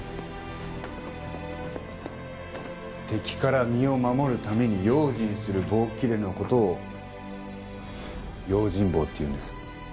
敵から身を守るために用心する棒っきれの事を「用心棒」って言うんです。